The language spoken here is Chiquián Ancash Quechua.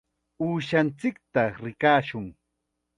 Uushanchikta rikamushun.